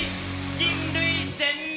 人類、全滅！